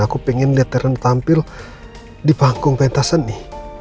aku pengen liat reyna tampil di panggung pentas seni